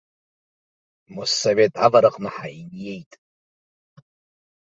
Моссовет авараҟны ҳаиниеит.